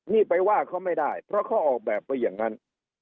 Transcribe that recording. นี่ไปว่าเขาไม่ได้เพราะเขาออกแบบไปอย่างนั้น